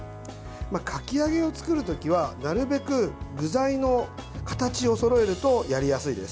かき揚げを作る時はなるべく具材の形をそろえるとやりやすいです。